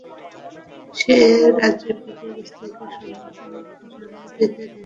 সে রাজবীরের স্ত্রীদের সন্তান জন্ম দিতে দেয়নি।